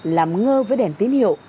làm ngơ với đèn tín hiệu